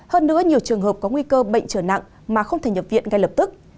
hơn nữa nhiều trường hợp có nguy cơ bệnh trở nặng mà không thể nhập viện ngay lập tức